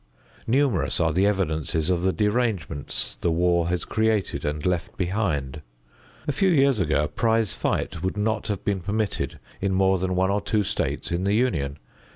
Numerous are the evidences of the derangements the war has created and left behind. A few years ago a prize fight would not have been permitted in more than one or two states in the Union.